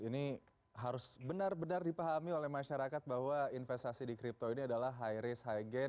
ini harus benar benar dipahami oleh masyarakat bahwa investasi di crypto ini adalah high risk high gain